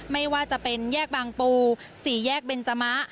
ไม่ว่าจะเป็นแยกบางปู๔แยกเบนจมะ